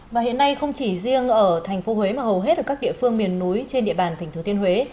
và hiện nay không chỉ riêng ở thành phố huế mà hầu hết ở các địa phương miền núi trên địa bàn tỉnh thừa thiên huế